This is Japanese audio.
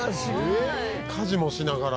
ええ家事もしながら？